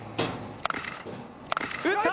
打った！